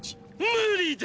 無理だ！